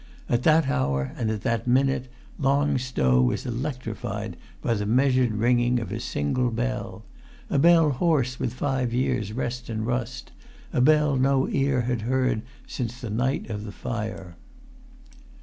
At that hour and at that minute Long Stow was electrified by the measured ringing of a single bell—a bell hoarse with five years' rest and rust—a bell no ear had heard since the night of the fire.